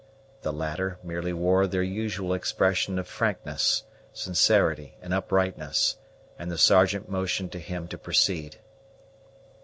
The latter merely wore their usual expression of frankness, sincerity, and uprightness; and the Sergeant motioned to him to proceed.